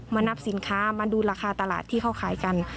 นับสินค้ามาดูราคาตลาดที่เขาขายกัน